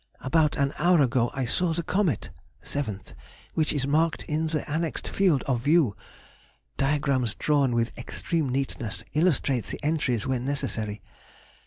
About an hour ago I saw the comet [seventh] which is marked in the annexed field of view [diagrams drawn with extreme neatness illustrate the entries when necessary].